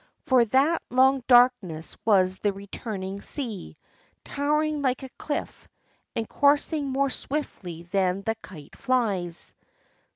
For that long darkness was the returning sea, towering like a cliff, and coursing more swiftly than the kite flies.